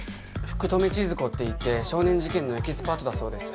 福留智寿子っていって少年事件のエキスパートだそうです